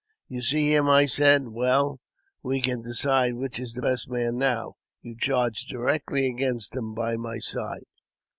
" You see him ? I said. " Well, we can decide which is the best man now. You charge directly against him by my side."